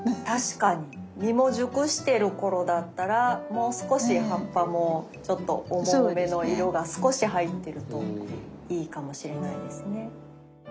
確かに実も熟してる頃だったらもう少し葉っぱもちょっと重めの色が少し入ってるといいかもしれないですね。